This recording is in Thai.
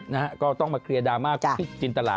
นะฮะก็ต้องมาเคลียร์ดราม่าจินตระ